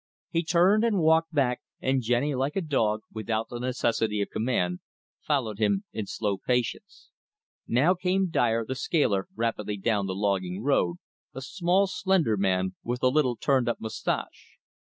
He turned and walked back, and Jenny, like a dog, without the necessity of command, followed him in slow patience. Now came Dyer, the scaler, rapidly down the logging road, a small slender man with a little, turned up mustache.